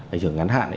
ảnh hưởng ngắn hạn